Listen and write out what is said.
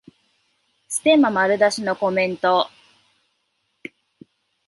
ステマ丸出しのコメント